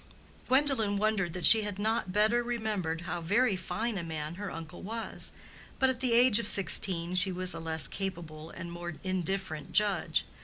Gwendolen wondered that she had not better remembered how very fine a man her uncle was; but at the age of sixteen she was a less capable and more indifferent judge.